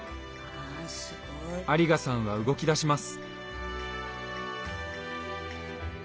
有賀さんは動きだします。